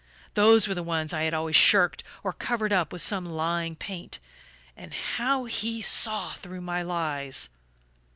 Those were the ones I had always shirked, or covered up with some lying paint. And how he saw through my lies!